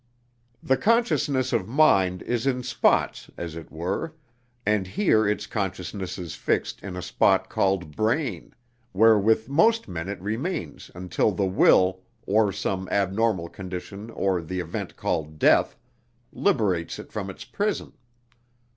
The consciousness of mind is in spots, as it were, and here its consciousness is fixed in a spot called brain, where with most men it remains until the will, or some abnormal condition or the event called death, liberates it from its prison.